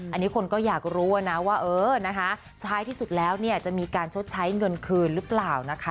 อันนี้คนก็อยากรู้ว่านะว่าเออนะคะท้ายที่สุดแล้วเนี่ยจะมีการชดใช้เงินคืนหรือเปล่านะคะ